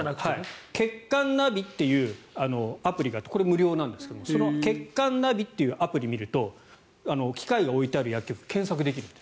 血管ナビというアプリがあってこれ、無料なんですがその血管ナビというアプリを見ると機械が置いてある薬局を検索できるんです。